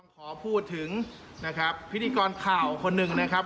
ขอพูดถึงนะครับพิธีกรข่าวคนหนึ่งนะครับ